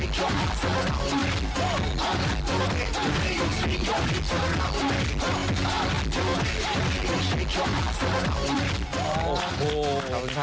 พูดคุยกันหน่อย